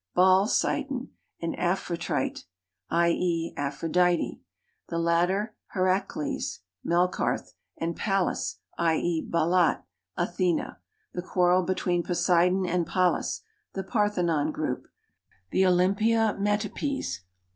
Baal Sidon) and Amphitrite (i. c, Aphrodite) ; the latter Herakles (jNIelcarth) and Pallas (/. e., Baalatj Athena. The quarrel between Poseidon and Pallas : the Parthenon group. The Olympia metopes.